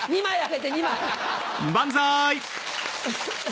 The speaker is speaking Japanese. ２枚。